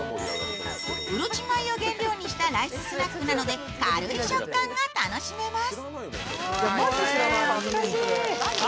うるち米を原料にしたライススナックなので軽い食感が楽しめます。